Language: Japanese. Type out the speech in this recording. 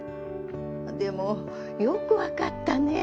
でもよく分かったね。